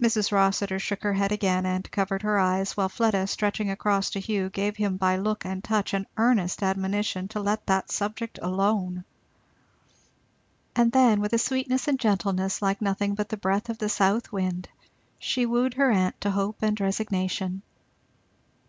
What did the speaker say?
Mrs. Rossitur shook her head again and covered her eyes, while Fleda stretching across to Hugh gave him by look and touch an earnest admonition to let that subject alone. And then with a sweetness and gentleness like nothing but the breath of the south wind, she wooed her aunt to hope and resignation.